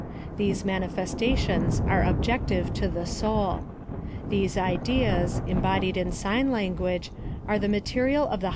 These manifestations are objective to the soul. These ideas, embodied in sign language, are the material * Ex.